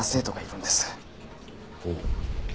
ほう。